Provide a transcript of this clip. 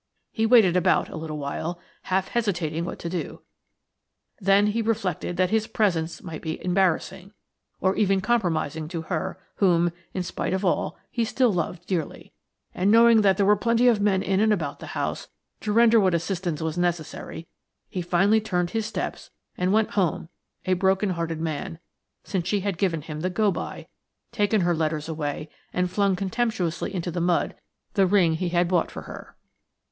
He waited about a little while, half hesitating what to do; then he reflected that his presence might be embarrassing, or even compromising to her whom, in spite of all, he still loved dearly; and knowing that there were plenty of men in and about the house to render what assistance was necessary, he finally turned his steps and went home a broken hearted man, since she had given him the go by, taken her letters away, and flung contemptuously into the mud the ring he had bought for her."